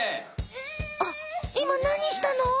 あっいま何したの？